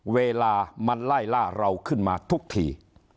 เวลามันไล่ล่าเราขึ้นมาทุกที